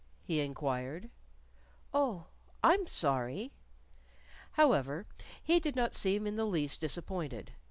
he inquired. "Oh, I'm sorry!" However, he did not seem in the least disappointed.